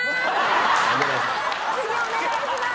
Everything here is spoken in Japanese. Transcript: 次お願いします！